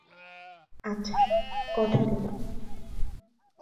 আচ্ছা কথা দিলাম।